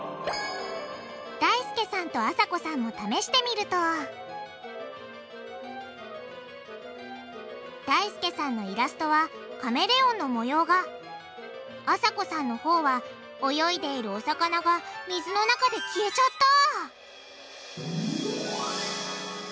だいすけさんとあさこさんも試してみるとだいすけさんのイラストはカメレオンの模様があさこさんのほうは泳いでいるお魚が水の中で消えちゃった！